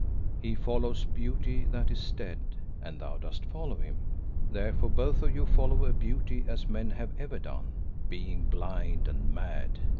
He follows beauty that is dead " "And thou dost follow him. Therefore both of you follow beauty as men have ever done, being blind and mad."